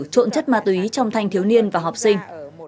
trộn chất ma túy trong thanh thiếu niên và học sinh